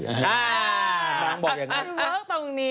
เออ